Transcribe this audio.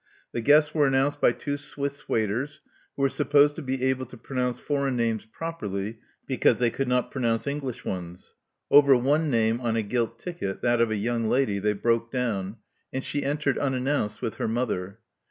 The guests were announced by two Swiss waiters, who were supposed to be able to pronounce foreign names properly because they could not pronounce English ones. Over one name on a gilt ticket, that of a young lady, they broke down ; and she entered unannounced with her mother.